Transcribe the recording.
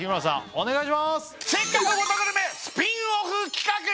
お願いします！